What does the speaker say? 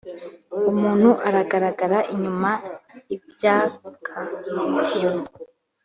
umuntu agaragara inyuma ibyak tim